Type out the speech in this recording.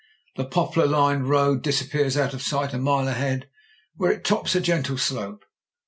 The poplar lined road disappears out of sight a mile ahead, where it tops a gentle slope.